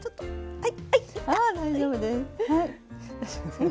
はい。